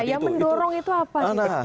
ya mendorong itu apa